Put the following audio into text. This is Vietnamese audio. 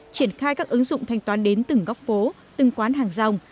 triển khai các ứng dụng thanh toán đến từng góc phố từng quán hàng rong